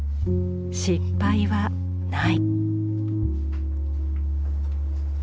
失敗はない。